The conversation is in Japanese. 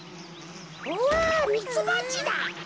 うわミツバチだ。